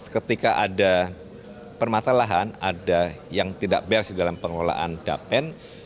ketika ada permasalahan ada yang tidak berhasil dalam pengelolaan japen